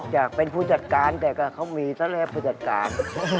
อยากเป็นผู้จัดการแต่ก็เค้ามีก็แทบจะแว่นผู้จัดการ